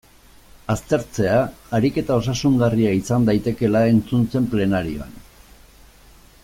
Aztertzea ariketa osasungarria izan daitekeela entzun zen plenarioan.